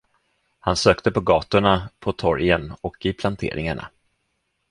Han sökte på gatorna, på torgen och i planteringarna.